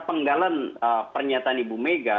penggalan pernyataan ibu mega